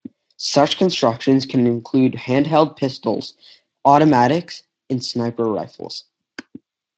Such constructions can include handheld pistols, automatics and sniper rifles.